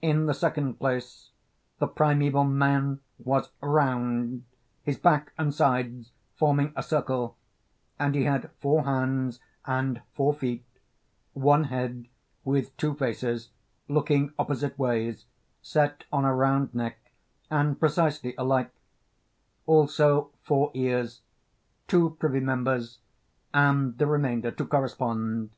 In the second place, the primeval man was round, his back and sides forming a circle; and he had four hands and four feet, one head with two faces, looking opposite ways, set on a round neck and precisely alike; also four ears, two privy members, and the remainder to correspond.